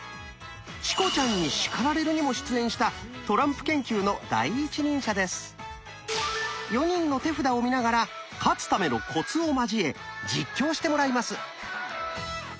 「チコちゃんに叱られる！」にも出演した４人の手札を見ながら「勝つためのコツ」を交え実況してもらいます。